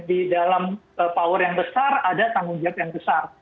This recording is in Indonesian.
di dalam power yang besar ada tanggung jawab yang besar